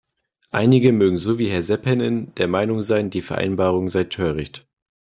Einige mögen so wie Herr Seppänen der Meinung sein, die Vereinbarung sei töricht.